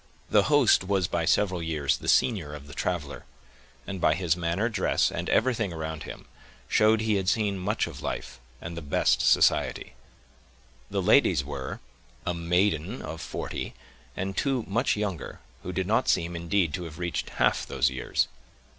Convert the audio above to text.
The host was by several years the senior of the traveler, and by his manner, dress, and everything around him, showed he had seen much of life and the best society. The ladies were, a maiden of forty, and two much younger, who did not seem, indeed, to have reached half those years.